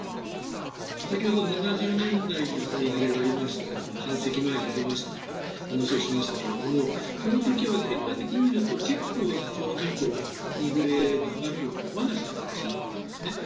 先程、７０年代にインフレがありましたとか半世紀前にありましたっていう話をしましたけれどもその時は結果的に見ると結構、中央銀行がインフレが上がるのを野放しにしてしまったんですね。